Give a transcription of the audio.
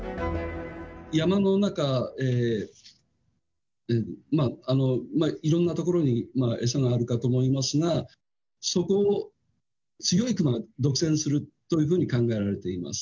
山の中、まあ、いろんな所に餌があるかと思いますが、そこを強いクマが独占するというふうに考えられるといいます。